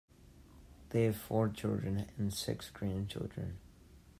They have four children and six grandchildren.